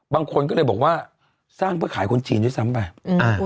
บางคนก็เลยบอกว่าสร้างเพื่อขายคนจีนด้วยซ้ำไป